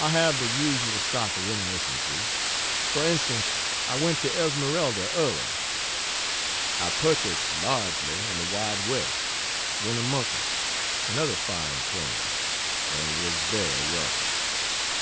I have the usual stock of reminiscences. For instance: I went to Esmeralda early. I purchased largely in the "Wide West," "Winnemucca," and other fine claims, and was very wealthy.